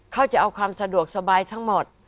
เขาจะเอาความสะดวกสบายทั้งหมด